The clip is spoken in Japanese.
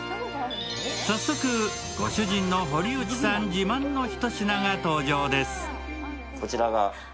早速、ご主人の堀内さん自慢のひと品が登場です。